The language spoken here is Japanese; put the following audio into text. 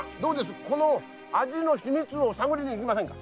この味の秘密を探りに行きませんか？